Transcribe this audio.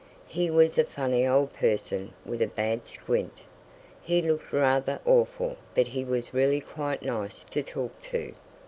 He was a funny old person with a bad squint. He looked rather awful but he was really quite nice to talk to.